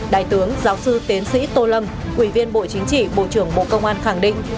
đại tướng giáo sư tiến sĩ tô lâm ủy viên bộ chính trị bộ trưởng bộ công an khẳng định